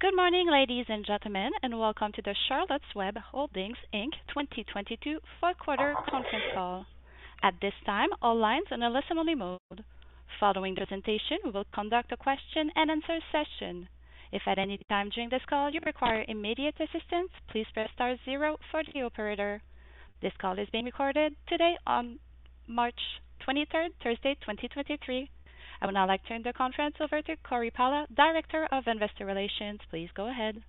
Good morning, ladies and gentlemen, and welcome to the Charlotte's Web Holdings, Inc. 2022 Fourth Quarter Conference Call. At this time, all lines are in a listen-only mode. Following the presentation, we will conduct a question-and-answer session. If at any time during this call you require immediate assistance, please press star zero for the operator. This call is being recorded today on March 23rd, Thursday, 2023. I would now like to turn the conference over to Cory Pala, Director of Investor Relations. Please go ahead.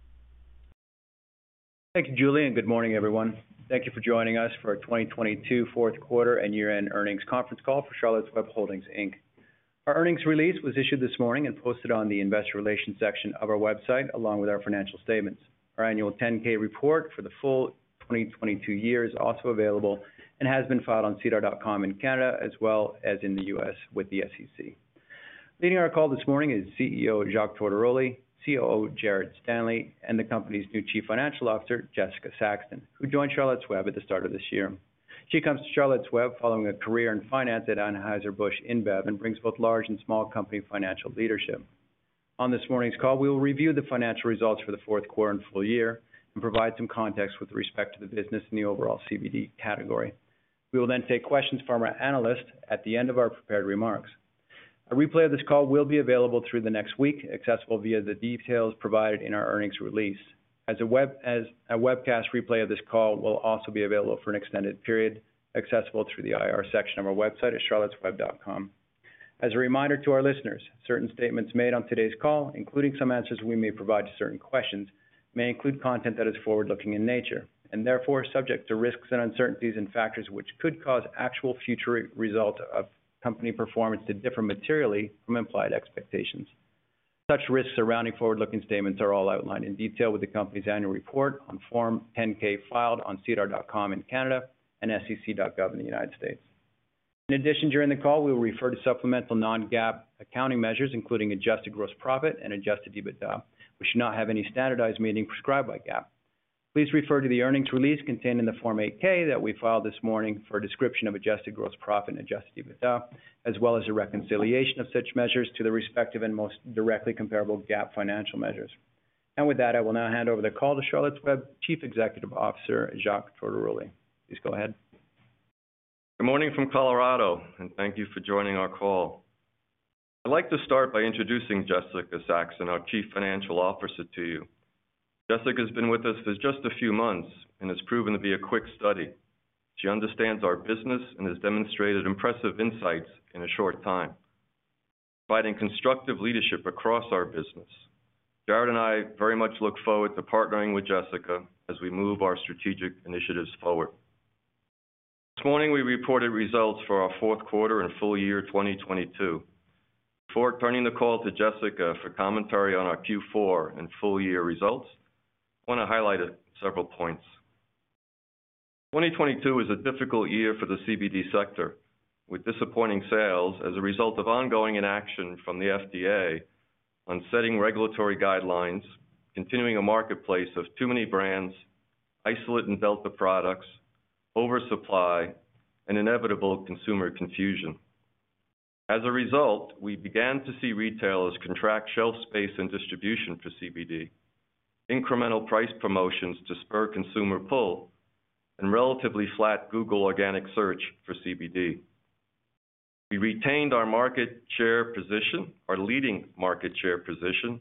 Thank you, Julie. Good morning, everyone. Thank you for joining us for our 2022 fourth quarter and year-end earnings conference call for Charlotte's Web Holdings Inc. Our earnings release was issued this morning and posted on the investor relations section of our website, along with our financial statements. Our annual 10-K report for the full 2022 year is also available and has been filed on sedar.com in Canada as well as in the U.S. with the SEC. Leading our call this morning is CEO Jacques Tortoroli, COO Jared Stanley, and the company's new Chief Financial Officer, Jessica Saxton, who joined Charlotte's Web at the start of this year. She comes to Charlotte's Web following a career in finance at Anheuser-Busch InBev and brings both large and small company financial leadership. On this morning's call, we will review the financial results for the fourth quarter and full year and provide some context with respect to the business in the overall CBD category. We will take questions from our analysts at the end of our prepared remarks. A replay of this call will be available through the next week, accessible via the details provided in our earnings release. As a webcast replay of this call will also be available for an extended period, accessible through the IR section of our website at charlottesweb.com. As a reminder to our listeners, certain statements made on today's call, including some answers we may provide to certain questions, may include content that is forward-looking in nature, and therefore subject to risks and uncertainties and factors which could cause actual future results of company performance to differ materially from implied expectations. Such risks surrounding forward-looking statements are all outlined in detail with the company's annual report on Form 10-K filed on sedar.com in Canada and sec.gov in the United States. During the call, we will refer to supplemental non-GAAP accounting measures, including adjusted gross profit and adjusted EBITDA, which do not have any standardized meaning prescribed by GAAP. Please refer to the earnings release contained in the Form 8-K that we filed this morning for a description of adjusted gross profit and adjusted EBITDA, as well as a reconciliation of such measures to the respective and most directly comparable GAAP financial measures. I will now hand over the call to Charlotte's Web Chief Executive Officer, Jacques Tortoroli. Please go ahead. Good morning from Colorado. Thank you for joining our call. I'd like to start by introducing Jessica Saxton, our Chief Financial Officer, to you. Jessica's been with us for just a few months and has proven to be a quick study. She understands our business and has demonstrated impressive insights in a short time, providing constructive leadership across our business. Jared and I very much look forward to partnering with Jessica as we move our strategic initiatives forward. This morning, we reported results for our fourth quarter and full year 2022. Before turning the call to Jessica for commentary on our Q4 and full-year results, I want to highlight several points. 2022 was a difficult year for the CBD sector, with disappointing sales as a result of ongoing inaction from the FDA on setting regulatory guidelines, continuing a marketplace of too many brands, isolate and delta products, oversupply, and inevitable consumer confusion. As a result, we began to see retailers contract shelf space and distribution for CBD, incremental price promotions to spur consumer pull, and relatively flat Google organic search for CBD. We retained our market share position, our leading market share position,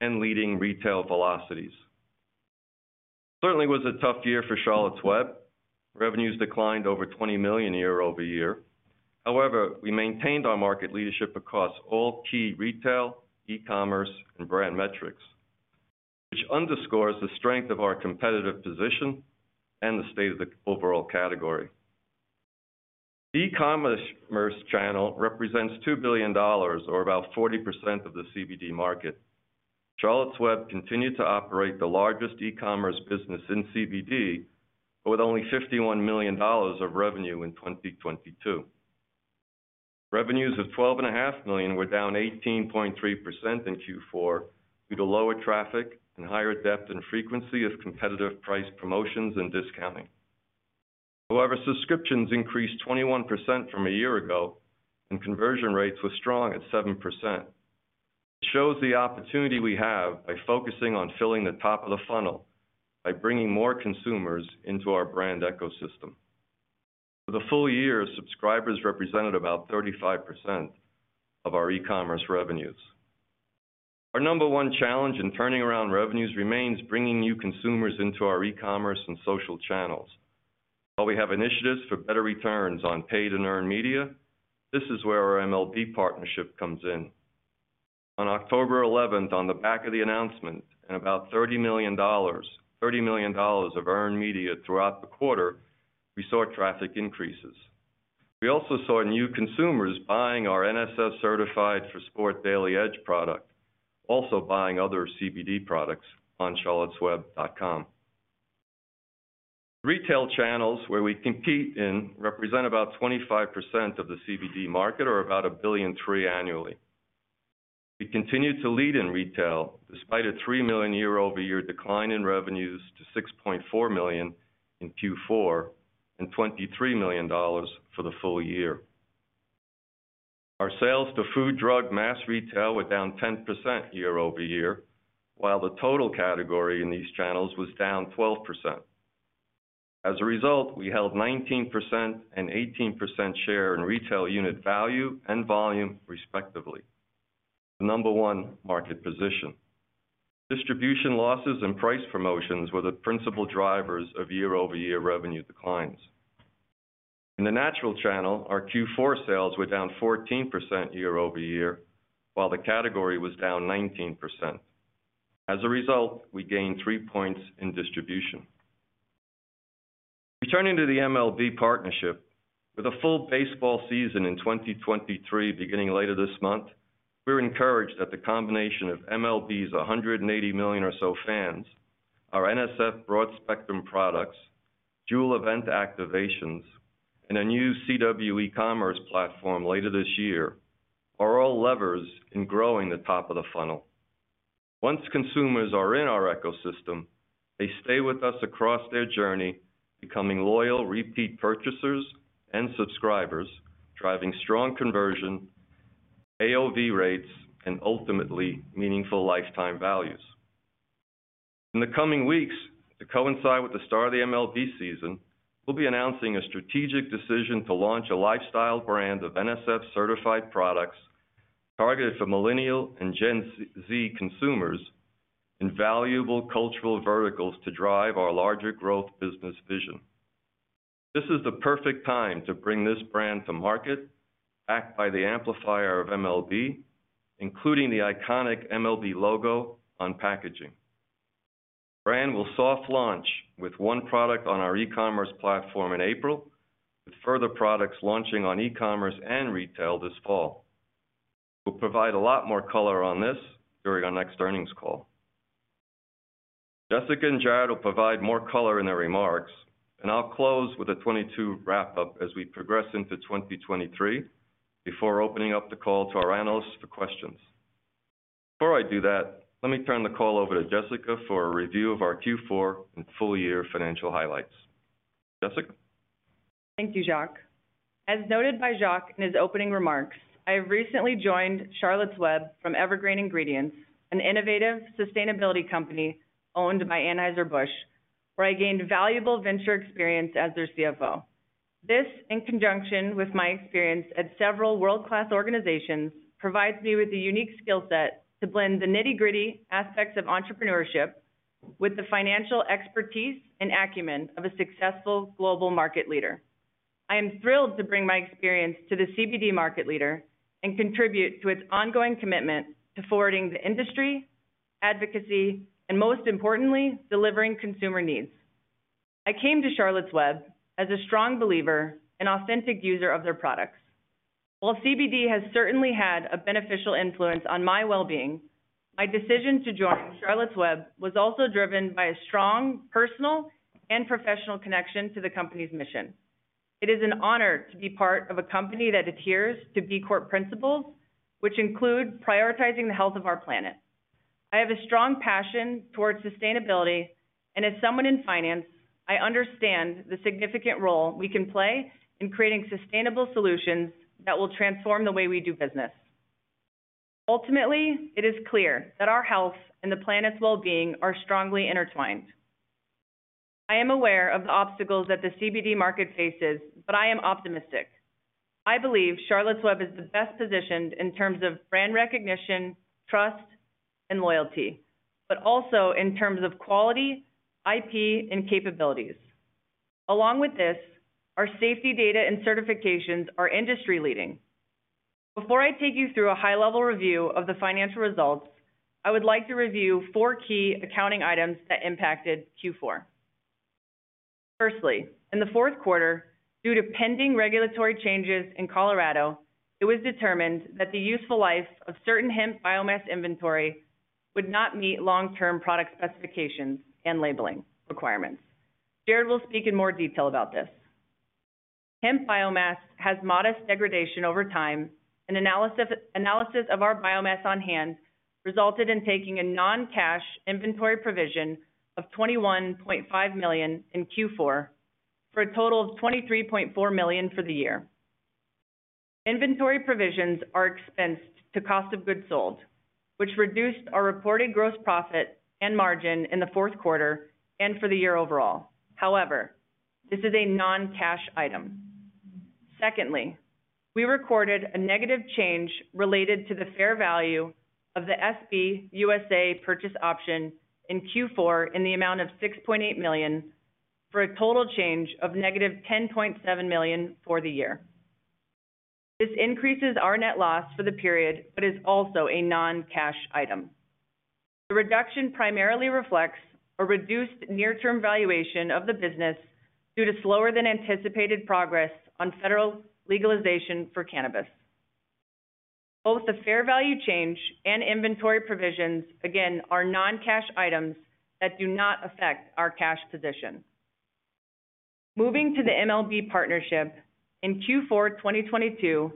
and leading retail velocities. It certainly was a tough year for Charlotte's Web. Revenues declined over $20 million year-over-year. However, we maintained our market leadership across all key retail, e-commerce, and brand metrics, which underscores the strength of our competitive position and the state of the overall category. The e-commerce channel represents $2 billion, or about 40% of the CBD market. Charlotte's Web continued to operate the largest e-commerce business in CBD, with only $51 million of revenue in 2022. Revenues of $12.5 million were down 18.3% in Q4 due to lower traffic and higher depth and frequency of competitive price promotions and discounting. However, subscriptions increased 21% from a year ago, and conversion rates were strong at 7%. It shows the opportunity we have by focusing on filling the top of the funnel by bringing more consumers into our brand ecosystem. For the full year, subscribers represented about 35% of our e-commerce revenues. Our number one challenge in turning around revenues remains bringing new consumers into our e-commerce and social channels. While we have initiatives for better returns on paid and earned media, this is where our MLB partnership comes in. On October 11, on the back of the announcement and about $30 million, $30 million of earned media throughout the quarter, we saw traffic increases. We also saw new consumers buying our NSF Certified for Sport Daily Edge product, also buying other CBD products on charlottesweb.com. Retail channels where we compete in represent about 25% of the CBD market, or about $1.3 billion annually. We continued to lead in retail despite a $3 million year-over-year decline in revenues to $6.4 million in Q4 and $23 million for the full year. Our sales to food, drug, mass retail were down 10% year-over-year, while the total category in these channels was down 12%. As a result, we held 19% and 18% share in retail unit value and volume respectively. The number one market position. Distribution losses and price promotions were the principal drivers of year-over-year revenue declines. In the natural channel, our Q4 sales were down 14% year-over-year, while the category was down 19%. As a result, we gained three points in distribution. Returning to the MLB partnership, with a full baseball season in 2023 beginning later this month, we're encouraged that the combination of MLB's $180 million or so fans, our NSF broad spectrum products, dual event activations, and a new CW e-commerce platform later this year, are all levers in growing the top of the funnel. Once consumers are in our ecosystem, they stay with us across their journey, becoming loyal, repeat purchasers and subscribers, driving strong conversion, AOV rates, and ultimately, meaningful lifetime values. In the coming weeks, to coincide with the start of the MLB season, we'll be announcing a strategic decision to launch a lifestyle brand of NSF-certified products targeted for Millennial and Gen Z consumers in valuable cultural verticals to drive our larger growth business vision. This is the perfect time to bring this brand to market, backed by the amplifier of MLB, including the iconic MLB logo on packaging. The brand will soft launch with one product on our e-commerce platform in April, with further products launching on e-commerce and retail this fall. We'll provide a lot more color on this during our next earnings call. Jessica and Jared will provide more color in their remarks, and I'll close with a 2022 wrap-up as we progress into 2023, before opening up the call to our analysts for questions. Before I do that, let me turn the call over to Jessica for a review of our Q4 and full year financial highlights. Jessica. Thank you, Jacques. As noted by Jacques in his opening remarks, I recently joined Charlotte's Web from EverGrain Ingredients, an innovative sustainability company owned by Anheuser-Busch, where I gained valuable venture experience as their CFO. This, in conjunction with my experience at several world-class organizations, provides me with a unique skill set to blend the nitty-gritty aspects of entrepreneurship with the financial expertise and acumen of a successful global market leader. I am thrilled to bring my experience to the CBD market leader and contribute to its ongoing commitment to forwarding the industry, advocacy, and most importantly, delivering consumer needs. I came to Charlotte's Web as a strong believer and authentic user of their products. While CBD has certainly had a beneficial influence on my well-being, my decision to join Charlotte's Web was also driven by a strong personal and professional connection to the company's mission. It is an honor to be part of a company that adheres to B Corp principles, which include prioritizing the health of our planet. I have a strong passion towards sustainability, and as someone in finance, I understand the significant role we can play in creating sustainable solutions that will transform the way we do business. Ultimately, it is clear that our health and the planet's well-being are strongly intertwined. I am aware of the obstacles that the CBD market faces, but I am optimistic. I believe Charlotte's Web is the best positioned in terms of brand recognition, trust, and loyalty, but also in terms of quality, IP, and capabilities. Along with this, our safety data and certifications are industry-leading. Before I take you through a high-level review of the financial results, I would like to review four key accounting items that impacted Q4. Firstly, in the fourth quarter, due to pending regulatory changes in Colorado, it was determined that the useful life of certain hemp biomass inventory would not meet long-term product specifications and labeling requirements. Jared will speak in more detail about this. Hemp biomass has modest degradation over time. An analysis of our biomass on hand resulted in taking a non-cash inventory provision of $21.5 million in Q4, for a total of $23.4 million for the year. Inventory provisions are expensed to cost of goods sold, which reduced our reported gross profit and margin in the fourth quarter and for the year overall. However, this is a non-cash item. Secondly, we recorded a negative change related to the fair value of the SBUSA purchase option in Q4 in the amount of $6.8 million, for a total change of negative $10.7 million for the year. This increases our net loss for the period, but is also a non-cash item. The reduction primarily reflects a reduced near-term valuation of the business due to slower than anticipated progress on federal legalization for cannabis. Both the fair value change and inventory provisions, again, are non-cash items that do not affect our cash position. Moving to the MLB partnership, in Q4 2022,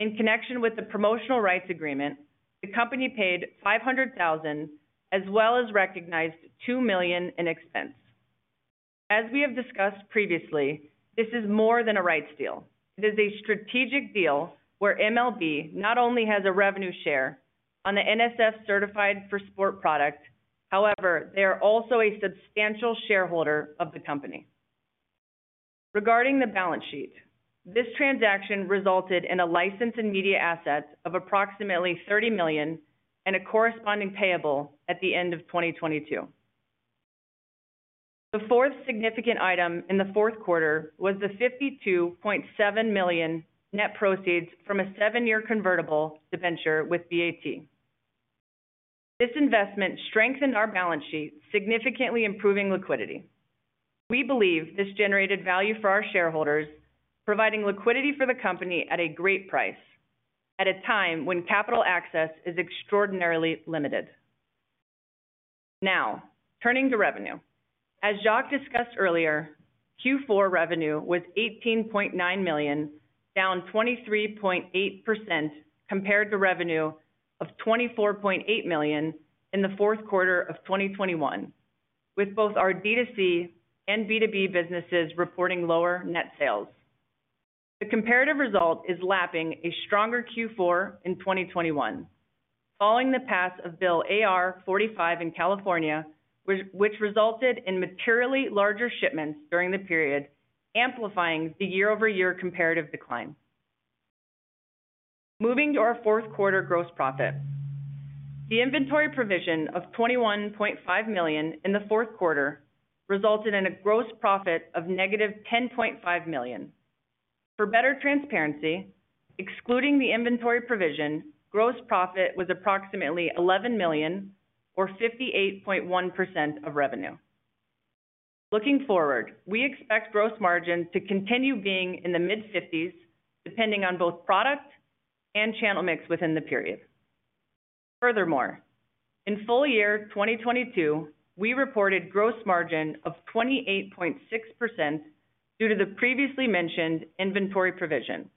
in connection with the promotional rights agreement, the company paid $500,000, as well as recognized $2 million in expense. We have discussed previously, this is more than a rights deal. It is a strategic deal where MLB not only has a revenue share on the NSF Certified for Sport product. However, they are also a substantial shareholder of the company. Regarding the balance sheet, this transaction resulted in a license and media asset of approximately $30 million and a corresponding payable at the end of 2022. The fourth significant item in the fourth quarter was the $52.7 million net proceeds from a 7-year convertible debenture with BAT. This investment strengthened our balance sheet, significantly improving liquidity. We believe this generated value for our shareholders, providing liquidity for the company at a great price at a time when capital access is extraordinarily limited. Now, turning to revenue. As Jacques discussed earlier, Q4 revenue was $18.9 million, down 23.8% compared to revenue of $24.8 million in the fourth quarter of 2021, with both our D2C and B2B businesses reporting lower net sales. The comparative result is lapping a stronger Q4 in 2021, following the pass of AB 45 in California, which resulted in materially larger shipments during the period, amplifying the year-over-year comparative decline. Moving to our fourth quarter gross profit. The inventory provision of $21.5 million in the fourth quarter resulted in a gross profit of -$10.5 million. For better transparency, excluding the inventory provision, gross profit was approximately $11 million or 58.1% of revenue. Looking forward, we expect gross margin to continue being in the mid-fifties, depending on both product and channel mix within the period. Furthermore, in full year 2022, we reported gross margin of 28.6% due to the previously mentioned inventory provision.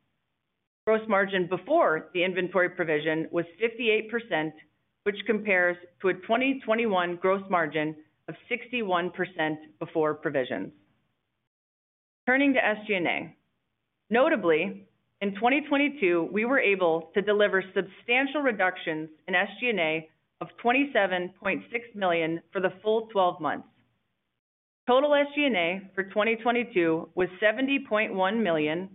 Gross margin before the inventory provision was 58%, which compares to a 2021 gross margin of 61% before provisions. Turning to SG&A. Notably, in 2022, we were able to deliver substantial reductions in SG&A of $27.6 million for the full 12 months. Total SG&A for 2022 was $70.1 million,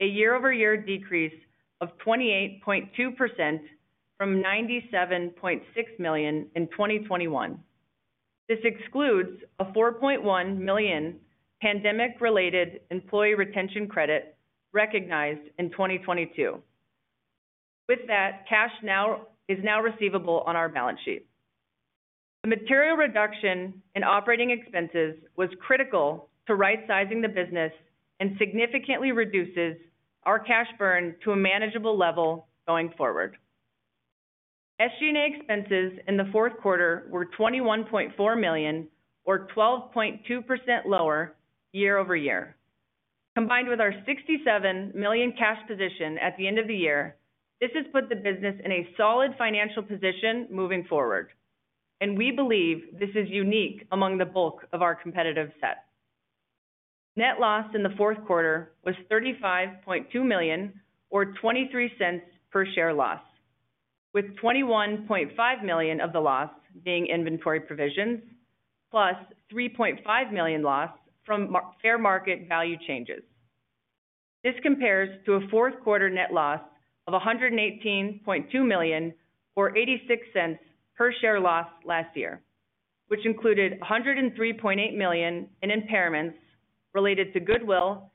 a year-over-year decrease of 28.2% from $97.6 million in 2021. This excludes a $4.1 million pandemic-related employee retention credit recognized in 2022. With that, cash is now receivable on our balance sheet. The material reduction in operating expenses was critical to rightsizing the business and significantly reduces our cash burn to a manageable level going forward. SG&A expenses in the fourth quarter were $21.4 million or 12.2% lower year-over-year. Combined with our $67 million cash position at the end of the year, this has put the business in a solid financial position moving forward, and we believe this is unique among the bulk of our competitive set. Net loss in the fourth quarter was $35.2 million or $0.23 per share loss, with $21.5 million of the loss being inventory provisions, plus $3.5 million loss from fair market value changes. This compares to a fourth quarter net loss of $118.2 million or $0.86 per share loss last year, which included $103.8 million in impairments related to goodwill,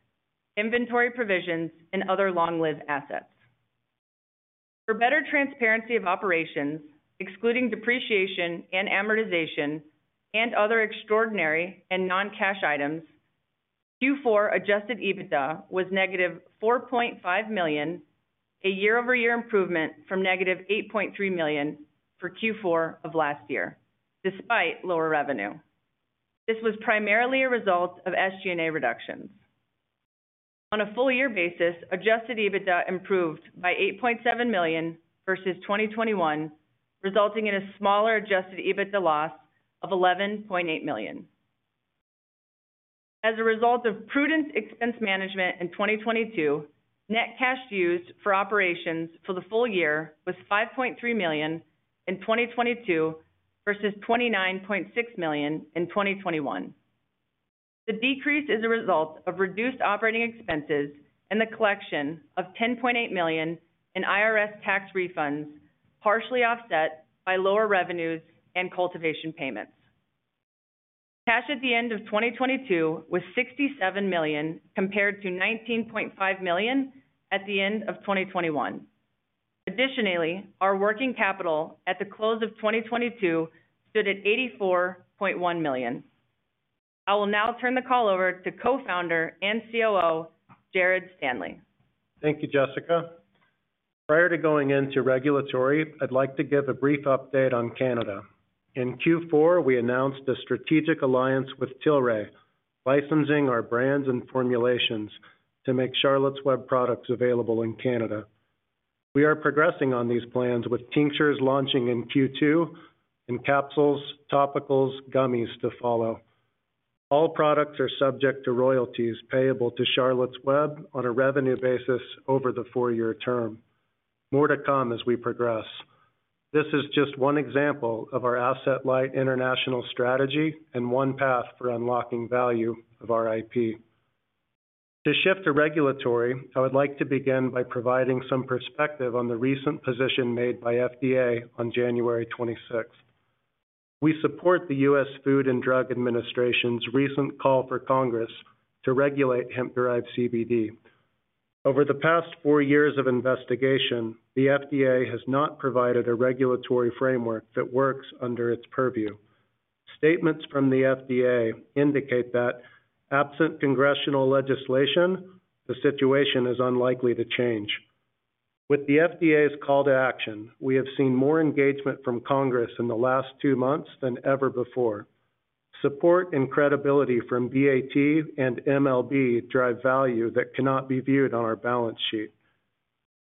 inventory provisions, and other long-lived assets. For better transparency of operations, excluding depreciation and amortization and other extraordinary and non-cash items, Q4 adjusted EBITDA was -$4.5 million, a year-over-year improvement from -$8.3 million for Q4 of last year, despite lower revenue. This was primarily a result of SG&A reductions. On a full year basis, adjusted EBITDA improved by $8.7 million versus 2021, resulting in a smaller adjusted EBITDA loss of $11.8 million. As a result of prudent expense management in 2022, net cash used for operations for the full year was $5.3 million in 2022 versus $29.6 million in 2021. The decrease is a result of reduced operating expenses and the collection of $10.8 million in IRS tax refunds, partially offset by lower revenues and cultivation payments. Cash at the end of 2022 was $67 million, compared to $19.5 million at the end of 2021. Our working capital at the close of 2022 stood at $84.1 million. I will now turn the call over to co-founder and COO, Jared Stanley. Thank you, Jessica. Prior to going into regulatory, I'd like to give a brief update on Canada. In Q4, we announced a strategic alliance with Tilray, licensing our brands and formulations to make Charlotte's Web products available in Canada. We are progressing on these plans with tinctures launching in Q2 and capsules, topicals, gummies to follow. All products are subject to royalties payable to Charlotte's Web on a revenue basis over the 4-year term. More to come as we progress. This is just one example of our asset-light international strategy and one path for unlocking value of our I.P. To shift to regulatory, I would like to begin by providing some perspective on the recent position made by FDA on January 26th. We support the US Food and Drug Administration's recent call for Congress to regulate hemp-derived CBD. Over the past four years of investigation, the FDA has not provided a regulatory framework that works under its purview. Statements from the FDA indicate that absent congressional legislation, the situation is unlikely to change. With the FDA's call to action, we have seen more engagement from Congress in the last two months than ever before. Support and credibility from BAT and MLB drive value that cannot be viewed on our balance sheet.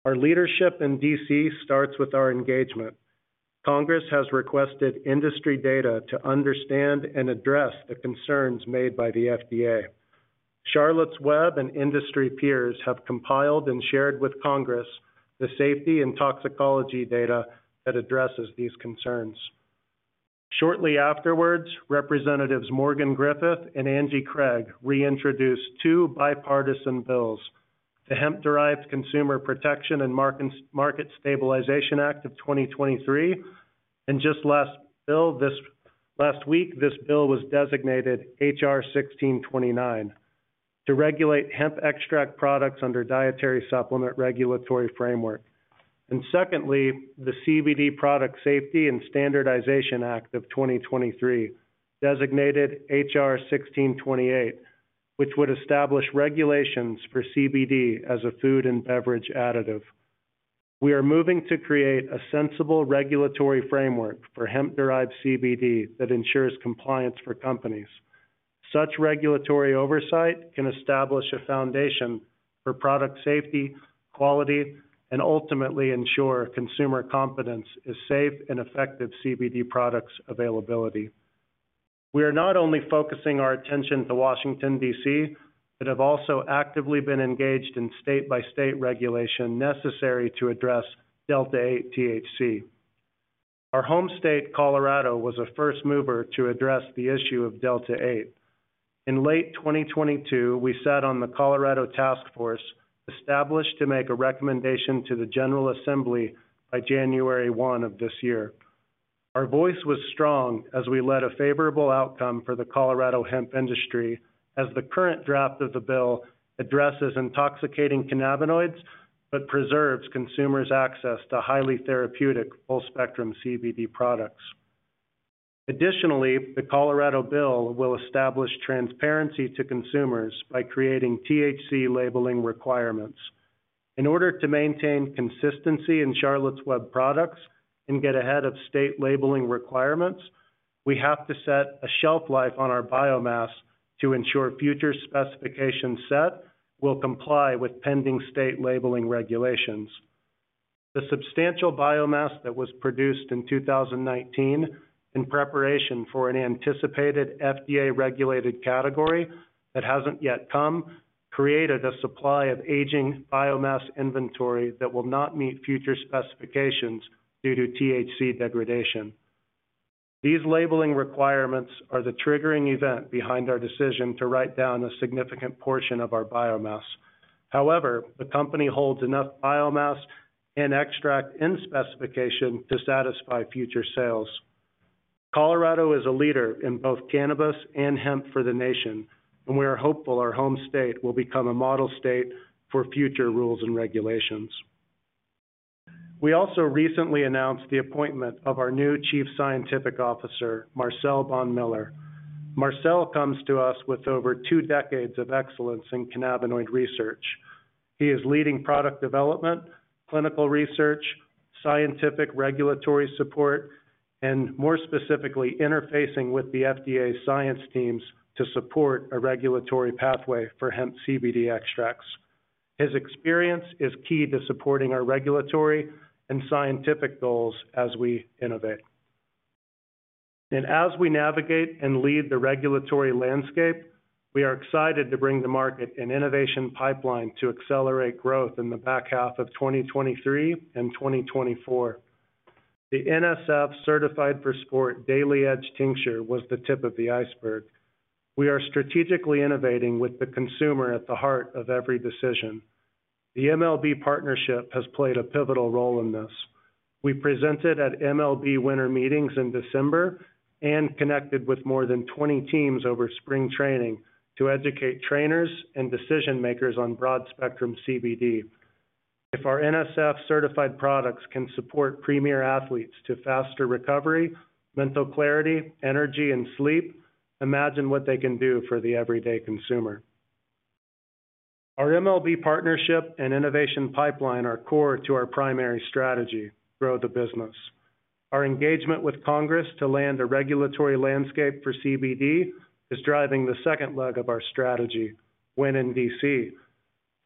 Our leadership in D.C. starts with our engagement. Congress has requested industry data to understand and address the concerns made by the FDA. Charlotte's Web and industry peers have compiled and shared with Congress the safety and toxicology data that addresses these concerns. Shortly afterwards, Representatives Morgan Griffith and Angie Craig reintroduced two bipartisan bills, the Hemp-Derived Consumer Protection and Market Stabilization Act of 2023, and just last week, this bill was designated H.R. 1629, to regulate hemp extract products under dietary supplement regulatory framework. Secondly, the CBD Product Safety and Standardization Act of 2023, designated H.R. 1628, which would establish regulations for CBD as a food and beverage additive. We are moving to create a sensible regulatory framework for hemp-derived CBD that ensures compliance for companies. Such regulatory oversight can establish a foundation for product safety, quality, and ultimately ensure consumer confidence is safe and effective CBD products availability. We are not only focusing our attention to Washington, D.C., but have also actively been engaged in state-by-state regulation necessary to address delta-8 THC. Our home state, Colorado, was a first mover to address the issue of delta-8. In late 2022, we sat on the Colorado Task Force, established to make a recommendation to the General Assembly by January 1 of this year. Our voice was strong as we led a favorable outcome for the Colorado hemp industry, as the current draft of the bill addresses intoxicating cannabinoids, but preserves consumers' access to highly therapeutic full-spectrum CBD products. The Colorado bill will establish transparency to consumers by creating THC labeling requirements. In order to maintain consistency in Charlotte's Web products and get ahead of state labeling requirements, we have to set a shelf life on our biomass to ensure future specification set will comply with pending state labeling regulations. The substantial biomass that was produced in 2019 in preparation for an anticipated FDA-regulated category that hasn't yet come, created a supply of aging biomass inventory that will not meet future specifications due to THC degradation. These labeling requirements are the triggering event behind our decision to write down a significant portion of our biomass. The company holds enough biomass and extract in specification to satisfy future sales. Colorado is a leader in both cannabis and hemp for the nation. We are hopeful our home state will become a model state for future rules and regulations. We also recently announced the appointment of our new Chief Scientific Officer, Marcel Bonn-Miller. Marcel comes to us with over two decades of excellence in cannabinoid research. He is leading product development, clinical research, scientific regulatory support, and more specifically, interfacing with the FDA science teams to support a regulatory pathway for hemp CBD extracts. His experience is key to supporting our regulatory and scientific goals as we innovate. As we navigate and lead the regulatory landscape, we are excited to bring to market an innovation pipeline to accelerate growth in the back half of 2023 and 2024. The NSF Certified for Sport Daily Edge tincture was the tip of the iceberg. We are strategically innovating with the consumer at the heart of every decision. The MLB partnership has played a pivotal role in this. We presented at MLB winter meetings in December and connected with more than 20 teams over spring training to educate trainers and decision-makers on broad-spectrum CBD. If our NSF-certified products can support premier athletes to faster recovery, mental clarity, energy, and sleep, imagine what they can do for the everyday consumer. Our MLB partnership and innovation pipeline are core to our primary strategy, grow the business. Our engagement with Congress to land a regulatory landscape for CBD is driving the second leg of our strategy, Win in D.C.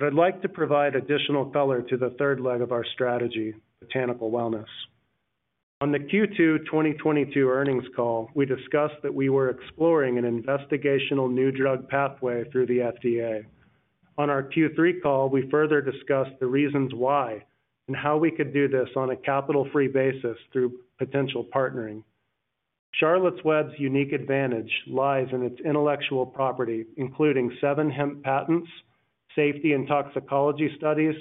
I'd like to provide additional color to the third leg of our strategy, Botanical Wellness. On the Q2 2022 earnings call, we discussed that we were exploring an investigational new drug pathway through the FDA. On our Q3 call, we further discussed the reasons why, and how we could do this on a capital-free basis through potential partnering. Charlotte's Web's unique advantage lies in its intellectual property, including seven hemp patents, safety and toxicology studies,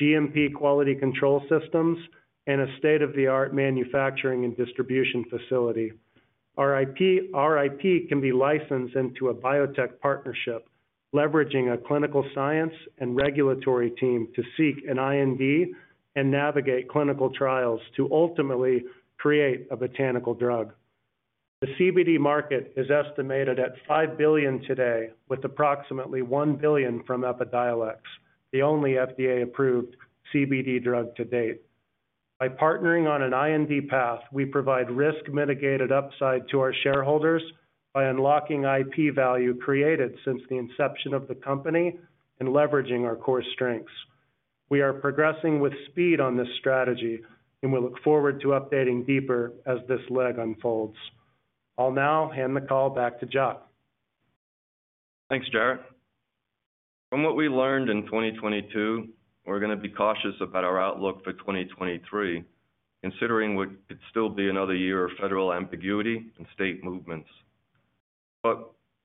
GMP quality control systems, and a state-of-the-art manufacturing and distribution facility. Our IP, our IP can be licensed into a biotech partnership, leveraging a clinical science and regulatory team to seek an IND and navigate clinical trials to ultimately create a botanical drug. The CBD market is estimated at $5 billion today, with approximately $1 billion from Epidiolex, the only FDA-approved CBD drug to date. By partnering on an IND path, we provide risk-mitigated upside to our shareholders by unlocking IP value created since the inception of the company and leveraging our core strengths. We are progressing with speed on this strategy, we look forward to updating deeper as this leg unfolds. I'll now hand the call back to Jacques. Thanks, Jared. From what we learned in 2022, we're gonna be cautious about our outlook for 2023, considering what could still be another year of federal ambiguity and state movements.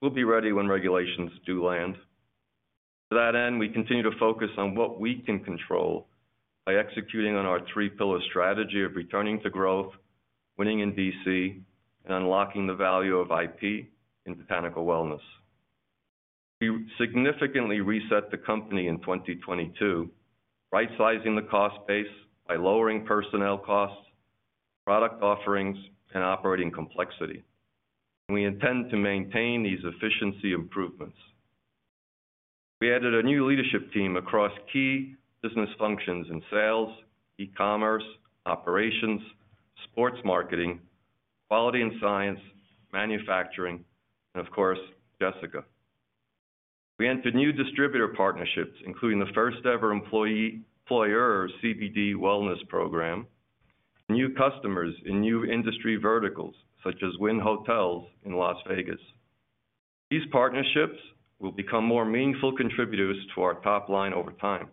We'll be ready when regulations do land. To that end, we continue to focus on what we can control by executing on our three-pillar strategy of returning to growth, winning in D.C., and unlocking the value of IP in Botanical Wellness. We significantly reset the company in 2022, right-sizing the cost base by lowering personnel costs, product offerings, and operating complexity. We intend to maintain these efficiency improvements. We added a new leadership team across key business functions in sales, e-commerce, operations, sports marketing, quality and science, manufacturing, and of course, Jessica. We entered new distributor partnerships, including the first-ever employee- employer CBD wellness program, new customers in new industry verticals, such as Wynn Hotels in Las Vegas. These partnerships will become more meaningful contributors to our top line over time.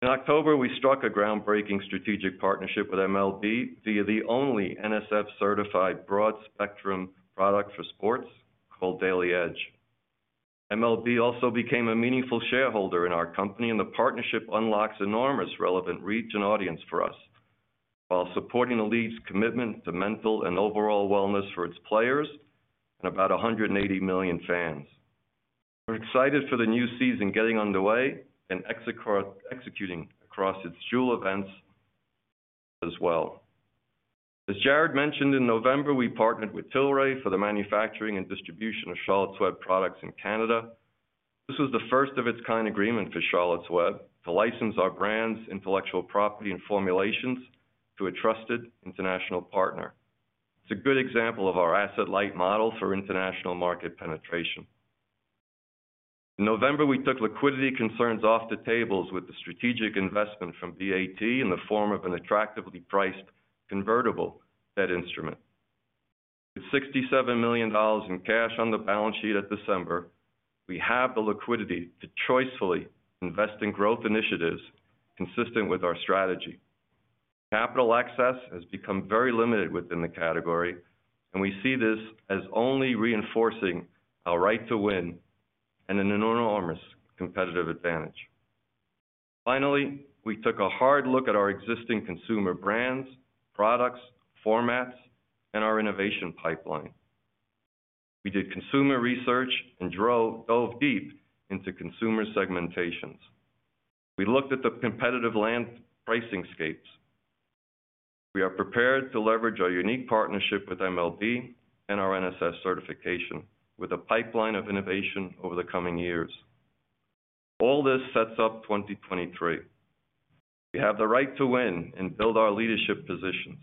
In October, we struck a groundbreaking strategic partnership with MLB via the only NSF-certified broad-spectrum product for sports, called Daily Edge. MLB also became a meaningful shareholder in our company, and the partnership unlocks enormous relevant reach and audience for us, while supporting the league's commitment to mental and overall wellness for its players and about 180 million fans. We're excited for the new season getting underway and executing across its jewel events as well. As Jared mentioned, in November, we partnered with Tilray for the manufacturing and distribution of Charlotte's Web products in Canada. This was the first-of-its-kind agreement for Charlotte's Web, to license our brand's intellectual property and formulations to a trusted international partner. It's a good example of our asset-light model for international market penetration. In November, we took liquidity concerns off the tables with the strategic investment from BAT in the form of an attractively priced convertible debt instrument. With $67 million in cash on the balance sheet at December, we have the liquidity to choicefully invest in growth initiatives consistent with our strategy. Capital access has become very limited within the category, and we see this as only reinforcing our right to win and an enormous competitive advantage. Finally, we took a hard look at our existing consumer brands, products, formats, and our innovation pipeline. We did consumer research and delved deep into consumer segmentations. We looked at the competitive land pricing scapes. We are prepared to leverage our unique partnership with MLB and our NSF certification, with a pipeline of innovation over the coming years. All this sets up 2023. We have the right to win and build our leadership positions.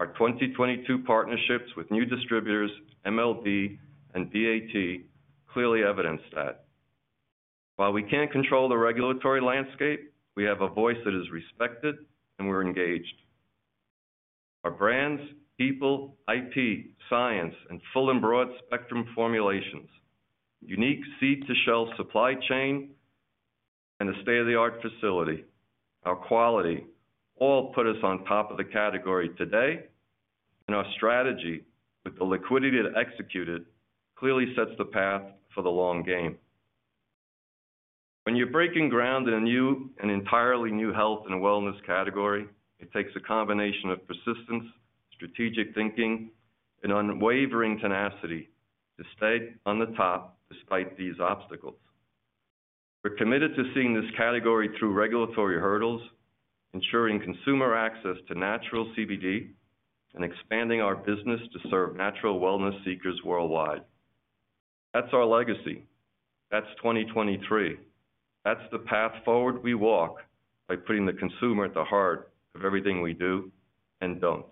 Our 2022 partnerships with new distributors, MLB and BAT, clearly evidence that. While we can't control the regulatory landscape, we have a voice that is respected, and we're engaged. Our brands, people, IP, science, and full and broad spectrum formulations, unique seed-to-shelf supply chain, and a state-of-the-art facility, our quality, all put us on top of the category today. Our strategy, with the liquidity to execute it, clearly sets the path for the long game. When you're breaking ground in a new and entirely new health and wellness category, it takes a combination of persistence, strategic thinking, and unwavering tenacity to stay on the top despite these obstacles. We're committed to seeing this category through regulatory hurdles, ensuring consumer access to natural CBD, and expanding our business to serve natural wellness seekers worldwide. That's our legacy. That's 2023. That's the path forward we walk by putting the consumer at the heart of everything we do and don't.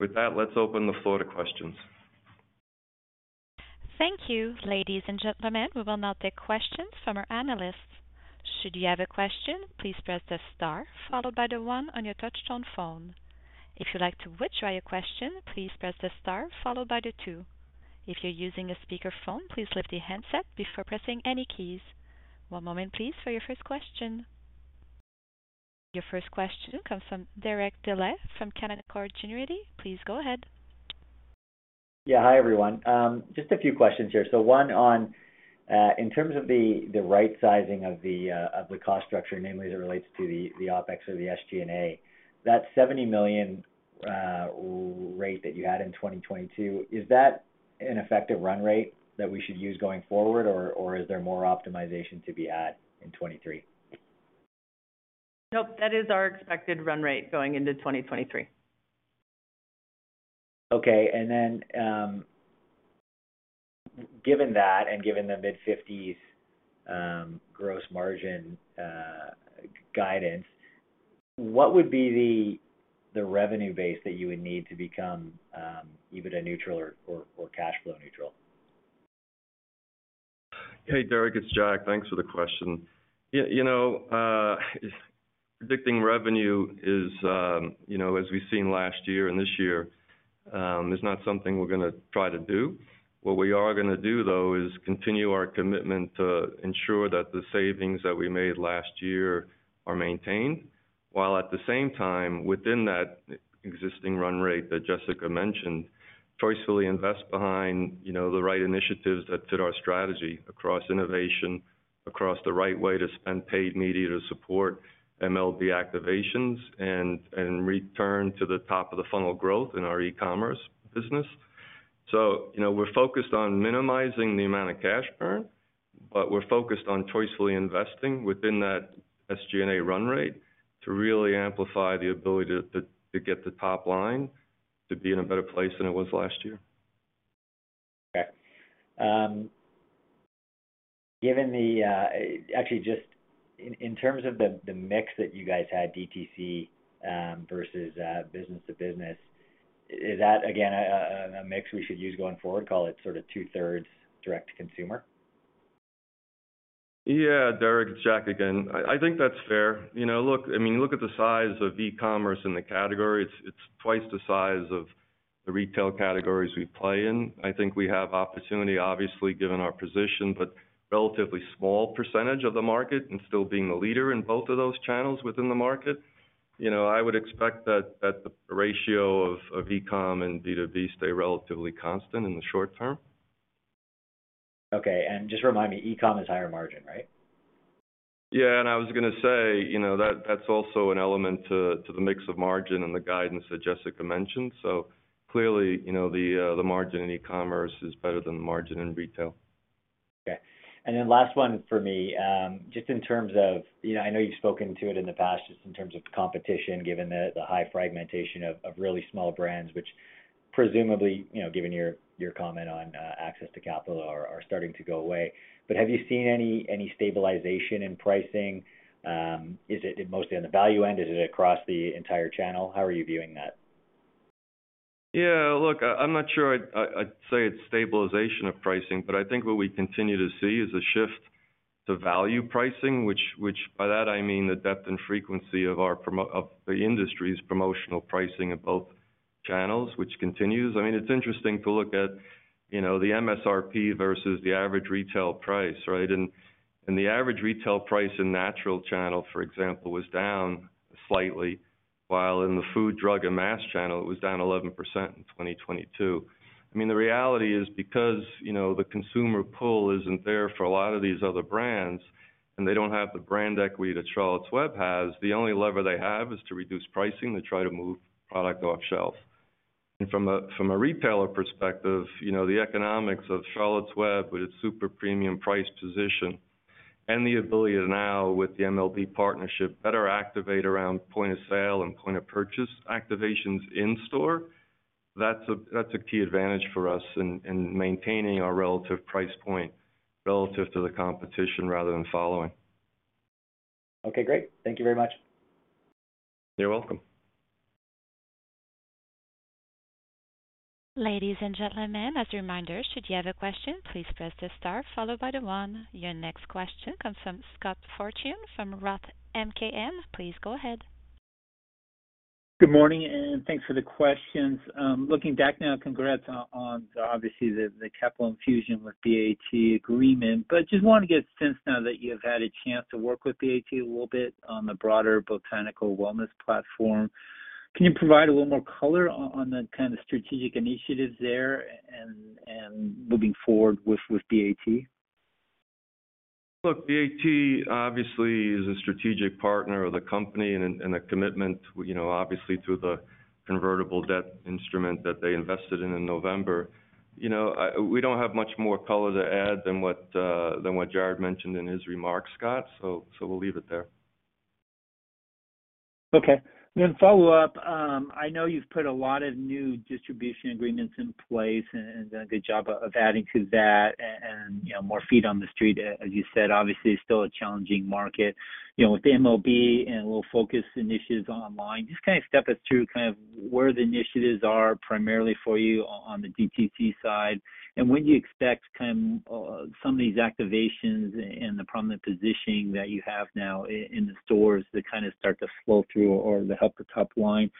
With that, let's open the floor to questions. Thank you, ladies and gentlemen. We will now take questions from our analysts. Should you have a question, please press the star followed by the one on your Touch-Tone phone. If you'd like to withdraw your question, please press the star followed by the two. If you're using a speakerphone, please lift the handset before pressing any keys. One moment please for your first question. Your first question comes from Derek Dley from Canaccord Genuity. Please go ahead. Yeah. Hi, everyone. just a few questions here. one on, in terms of the right sizing of the cost structure, namely as it relates to the OpEx or the SG&A. That $70 million rate that you had in 2022, is that an effective run rate that we should use going forward, or is there more optimization to be had in 2023? Nope. That is our expected run rate going into 2023. Okay. Given that and given the mid-50s gross margin guidance, what would be the revenue base that you would need to become EBITDA neutral or cash flow neutral? Hey, Derek. It's Jacques. Thanks for the question. You know, predicting revenue is, you know, as we've seen last year and this year, is not something we're gonna try to do. What we are gonna do, though, is continue our commitment to ensure that the savings that we made last year are maintained, while at the same time, within that existing run rate that Jessica mentioned, choicefully invest behind, you know, the right initiatives that fit our strategy across innovation, across the right way to spend paid media to support MLB activations and return to the top of the funnel growth in our e-commerce business. you know, we're focused on minimizing the amount of cash burn, but we're focused on choicefully investing within that SG&A run rate to really amplify the ability to get the top line to be in a better place than it was last year. Okay. given actually just in terms of the mix that you guys had DTC versus business to business, is that again a mix we should use going forward, call it sort of 2/3 direct to consumer? Yeah. Derek, it's Jacques again. I think that's fair. You know, look, I mean, look at the size of e-commerce in the category. It's 2x the size of the retail categories we play in. I think we have opportunity, obviously, given our position, but relatively small percentage of the market and still being the leader in both of those channels within the market. You know, I would expect that the ratio of e-com and B2B stay relatively constant in the short term. Okay. Just remind me, e-com is higher margin, right? Yeah, I was gonna say, you know, that's also an element to the mix of margin and the guidance that Jessica mentioned. Clearly, you know, the margin in e-commerce is better than the margin in retail. Okay. Then last one for me, just in terms of, you know, I know you've spoken to it in the past just in terms of competition, given the high fragmentation of really small brands, which presumably, you know, given your comment on access to capital are starting to go away. Have you seen any stabilization in pricing? Is it mostly on the value end? Is it across the entire channel? How are you viewing that? Look, I'm not sure I'd say it's stabilization of pricing. I think what we continue to see is a shift to value pricing, which by that I mean the depth and frequency of the industry's promotional pricing in both channels, which continues. I mean, it's interesting to look at, you know, the MSRP versus the average retail price, right? The average retail price in natural channel, for example, was down slightly, while in the food, drug, and mass channel, it was down 11% in 2022. I mean, the reality is because, you know, the consumer pull isn't there for a lot of these other brands, and they don't have the brand equity that Charlotte's Web has, the only lever they have is to reduce pricing to try to move product off shelf. From a retailer perspective, you know, the economics of Charlotte's Web with its super premium price position and the ability to now with the MLB partnership better activate around point of sale and point of purchase activations in store, that's a key advantage for us in maintaining our relative price point relative to the competition rather than following. Okay, great. Thank you very much. You're welcome. Ladies and gentlemen, as a reminder, should you have a question, please press the star followed by the one. Your next question comes from Scott Fortune from ROTH MKM. Please go ahead. Good morning, thanks for the questions. Looking back now, congrats on obviously the capital infusion with BAT agreement. Just wanna get a sense now that you have had a chance to work with BAT a little bit on the broader Botanical Wellness platform, can you provide a little more color on the kind of strategic initiatives there and moving forward with BAT? Look, BAT obviously is a strategic partner of the company and a commitment, you know, obviously through the convertible debt instrument that they invested in in November. You know, we don't have much more color to add than what than what Jared mentioned in his remarks, Scott, so we'll leave it there. Okay. Follow-up, I know you've put a lot of new distribution agreements in place and done a good job of adding to that and, you know, more feet on the street. As you said, obviously, it's still a challenging market. You know, with MLB and a little focus initiatives online, just kind of step us through kind of where the initiatives are primarily for you on the DTC side and when you expect kind of some of these activations and the prominent positioning that you have now in the stores to kind of start to flow through or to help the top line.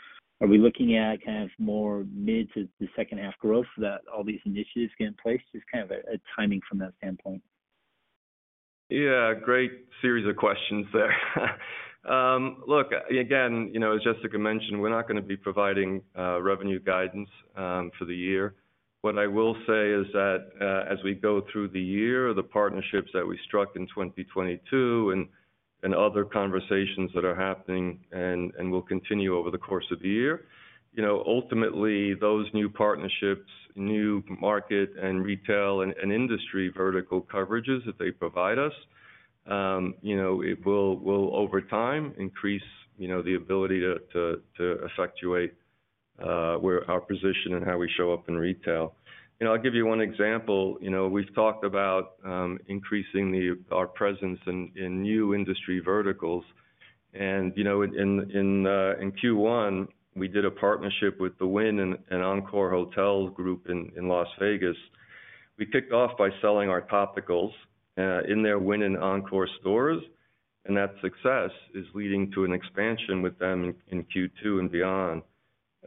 Are we looking at kind of more mid to the second half growth for that, all these initiatives getting placed? Just kind of a timing from that standpoint. Yeah, great series of questions there. Look, again, you know, as Jessica mentioned, we're not gonna be providing revenue guidance for the year. What I will say is that, as we go through the year, the partnerships that we struck in 2022 and other conversations that are happening and will continue over the course of the year, you know, ultimately those new partnerships, new market and retail and industry vertical coverages that they provide us, you know, it will over time increase, you know, the ability to effectuate where our position and how we show up in retail. You know, I'll give you one example. You know, we've talked about increasing our presence in new industry verticals. You know, in Q1, we did a partnership with the Wynn and Encore group in Las Vegas. We kicked off by selling our topicals in their Wynn and Encore stores. That success is leading to an expansion with them in Q2 and beyond.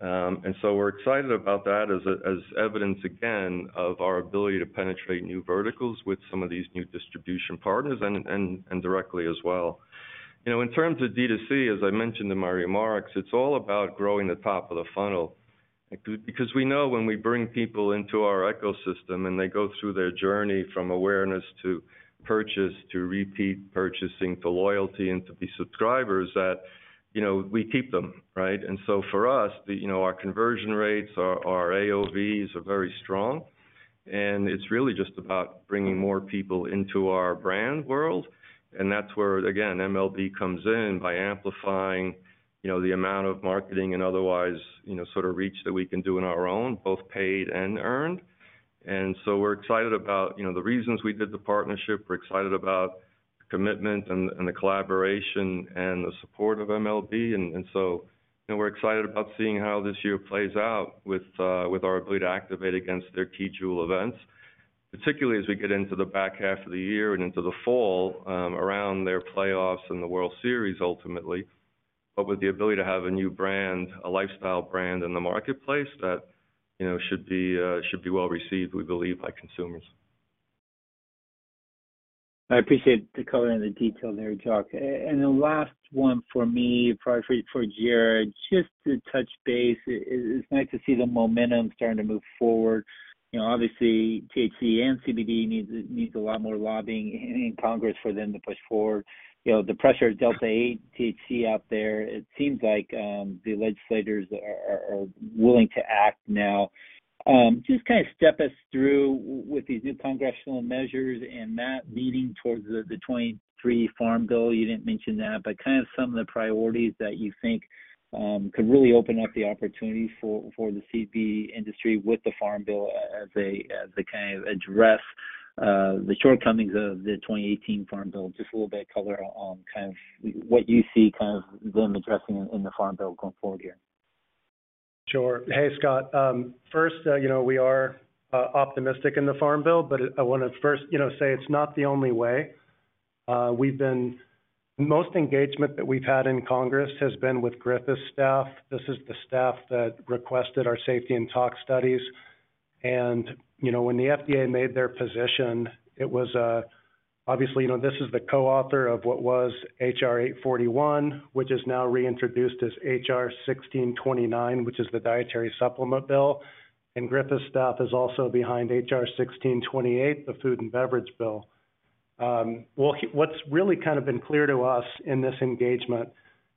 We're excited about that as evidence, again, of our ability to penetrate new verticals with some of these new distribution partners and directly as well. You know, in terms of D2C, as I mentioned in my remarks, it's all about growing the top of the funnel. Because we know when we bring people into our ecosystem and they go through their journey from awareness to purchase, to repeat purchasing, to loyalty, and to be subscribers that, you know, we keep them, right? For us, you know, our conversion rates, our AOVs are very strong, and it's really just about bringing more people into our brand world. That's where, again, MLB comes in by amplifying, you know, the amount of marketing and otherwise, you know, sort of reach that we can do on our own, both paid and earned. We're excited about, you know, the reasons we did the partnership. We're excited about the commitment and the collaboration and the support of MLB. We're excited about seeing how this year plays out with our ability to activate against their key jewel events, particularly as we get into the back half of the year and into the fall, around their playoffs and the World Series ultimately. With the ability to have a new brand, a lifestyle brand in the marketplace that, you know, should be well received, we believe, by consumers. I appreciate the color and the detail there, Jacques. The last one for me, probably for Jared, just to touch base. It's nice to see the momentum starting to move forward. You know, obviously THC and CBD needs a lot more lobbying in Congress for them to push forward. You know, the pressure of delta-8 THC out there, it seems like the legislators are willing to act now. Just kind of step us through with these new congressional measures and that leading towards the 2023 Farm Bill. You didn't mention that, but kind of some of the priorities that you think could really open up the opportunity for the CBD industry with the Farm Bill as they kind of address the shortcomings of the 2018 Farm Bill. Just a little bit of color on kind of what you see kind of them addressing in the Farm Bill going forward here. Sure. Hey, Scott. First, you know, we are optimistic in the Farm Bill, but I wanna first, you know, say it's not the only way. The most engagement that we've had in Congress has been with Griffith's staff. This is the staff that requested our safety and tox studies. When the FDA made their position, it was, obviously, you know, this is the co-author of what was H.R. 841, which is now reintroduced as H.R. 1629, which is the dietary supplement bill. Griffith's staff is also behind H.R. 1628, the food and beverage bill. Well, what's really kind of been clear to us in this engagement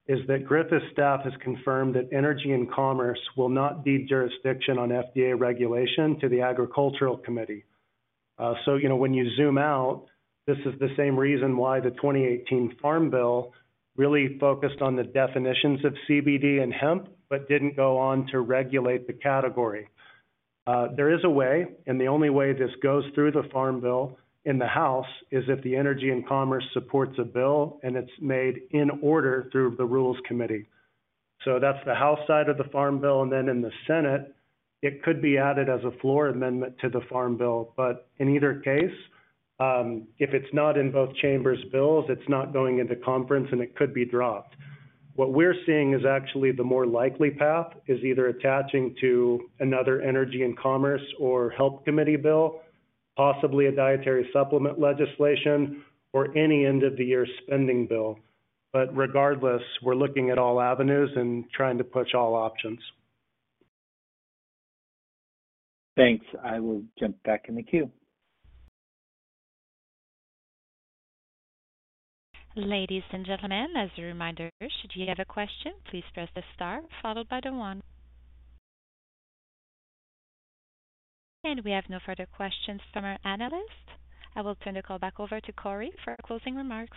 is that Griffith's staff has confirmed that Energy and Commerce will not deed jurisdiction on FDA regulation to the Agriculture Committee. You know, when you zoom out, this is the same reason why the 2018 Farm Bill really focused on the definitions of CBD and hemp but didn't go on to regulate the category. There is a way, and the only way this goes through the Farm Bill in the House is if the Energy and Commerce supports a bill and it's made in order through the Rules Committee. That's the House side of the Farm Bill, and then in the Senate, it could be added as a floor amendment to the Farm Bill. In either case, if it's not in both chambers' bills, it's not going into conference, and it could be dropped. What we're seeing is actually the more likely path is either attaching to another Energy and Commerce or Health Committee bill, possibly a dietary supplement legislation or any end-of-the-year spending bill. Regardless, we're looking at all avenues and trying to push all options. Thanks. I will jump back in the queue. Ladies and gentlemen, as a reminder, should you have a question, please press the star followed by the one. We have no further questions from our analysts. I will turn the call back over to Cory for our closing remarks.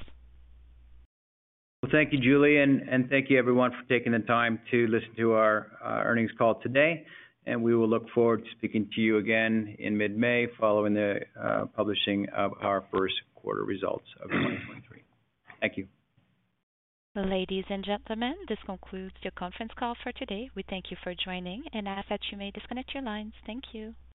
Well, thank you, Julie, and thank you everyone for taking the time to listen to our earnings call today, and we will look forward to speaking to you again in mid-May following the publishing of our first quarter results of 2023. Thank you. Ladies and gentlemen, this concludes the conference call for today. We thank you for joining and ask that you may disconnect your lines. Thank you.